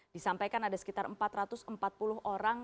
disampaikan ada sekitar empat ratus empat puluh orang